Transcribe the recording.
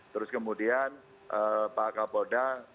terus kemudian pak kapolda